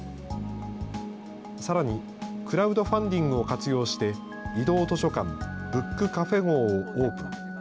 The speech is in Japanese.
さらに、クラウドファンディングを活用して、移動図書館、ブックカフェ号をオープン。